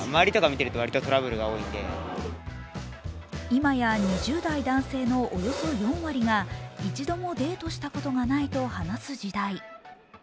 今や２０代男性のおよそ４割が一度もデートしたことがないと話す時代。